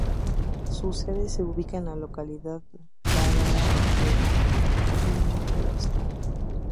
Su sede se ubica en la localidad bávara de Ingolstadt.